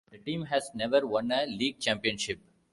The team has never won a league championship.